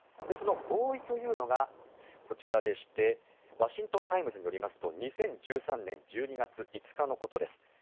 その合意というのがこちらでしてワシントン・タイムズによりますと２０１３年１２月５日のことです。